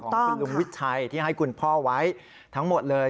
ของคุณลุงวิชัยที่ให้คุณพ่อไว้ทั้งหมดเลย